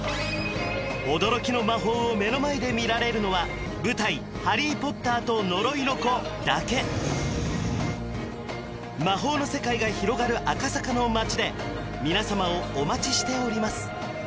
驚きの魔法を目の前で見られるのは舞台「ハリー・ポッターと呪いの子」だけ魔法の世界が広がる赤坂の街で皆様をお待ちしております